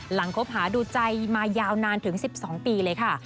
คบหาดูใจมายาวนานถึง๑๒ปีเลยค่ะ